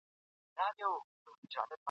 ایا لوی صادروونکي جلغوزي ساتي؟